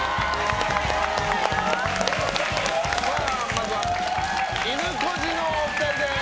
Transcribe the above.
まずは、いぬこじのお二人です。